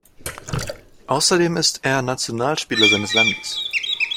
Außerdem ist er Nationalspieler seines Landes.